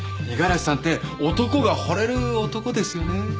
五十嵐さんって男がほれる男ですよね。